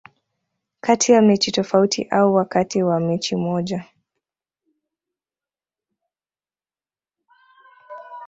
kati ya mechi tofauti au wakati wa mechi moja